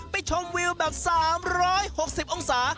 ไปชมวิวแบบสามร้อยหกสิบองศา